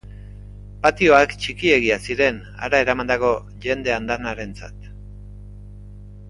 Patioak txikiegiak ziren hara eramandako jende andanarentzat.